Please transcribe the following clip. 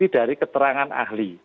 dari keterangan ahli